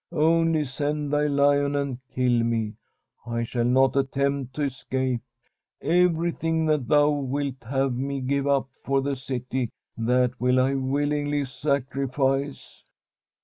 Only send thy Hon and kill me; I shall not attempt to escape. Every thing that thou wilt have me give up for the city, that will I willingly sacrifice.'